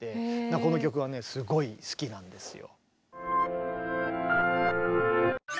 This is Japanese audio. この曲はねすごい好きなんですよ。